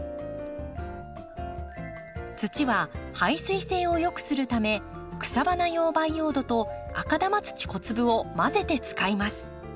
土は排水性をよくするため草花用培養土と赤玉土小粒を混ぜて使います。